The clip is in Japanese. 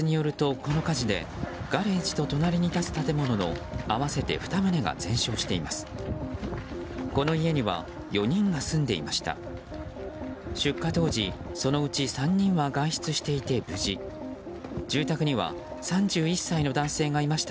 この家には４人が住んでいました。